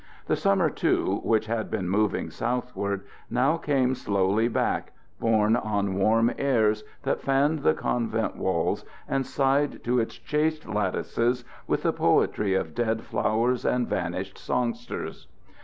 The summer, too, which had been moving southward, now came slowly back, borne on warm airs that fanned the convent walls and sighed to its chaste lattices with the poetry of dead flowers and vanished songsters.